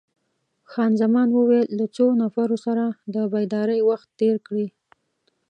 خان زمان وویل: له څو نفرو سره د بېدارۍ وخت تیر کړی؟